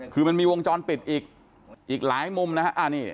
คือมันมีวงจรปิดอีกหลายมุมนะฮะ